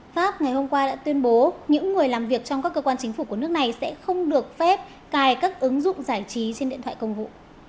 pháp ngày hôm qua đã tuyên bố những người làm việc trong các cơ quan chính phủ của nước này sẽ không được phép cài các ứng dụng giải trí trên điện thoại công vụ